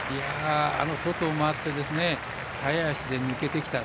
外を回って早足で抜けてきた。